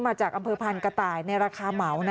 มาจากอำเภอพันกระต่ายในราคาเหมา